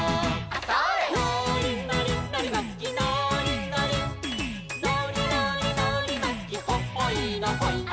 「のーりのりのりまきのーりのり」「のりのりのりまきホホイのホイ」